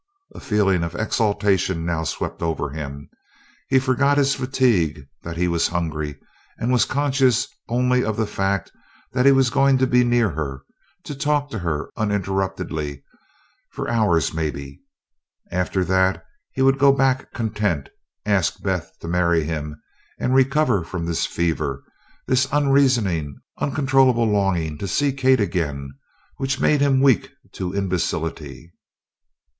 A feeling of exultation now swept over him he forgot his fatigue, that he was hungry, and was conscious only of the fact that he was going to be near her, to talk to her uninterruptedly for hours, maybe. After that he would go back content, ask Beth to marry him, and recover from this fever, this unreasoning, uncontrollable longing to see Kate again, which made him weak to imbecility.